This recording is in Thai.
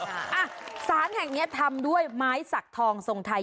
อ่ะสารแห่งนี้ทำด้วยไม้สักทองทรงไทย